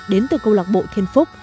đến từ công lạc bộ thiên phúc